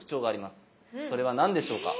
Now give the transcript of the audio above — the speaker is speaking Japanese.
それは何でしょうか？